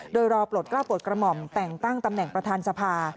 โดยรอปลดกล้าปลดกระหม่อมแต่งตั้งตำแหน่งประธานสภา